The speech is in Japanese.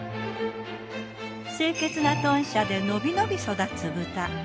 清潔な豚舎でのびのび育つ豚。